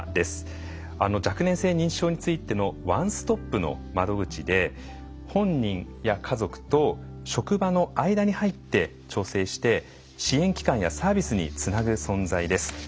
若年性認知症についてのワンストップの窓口で本人や家族と職場の間に入って調整して支援機関やサービスにつなぐ存在です。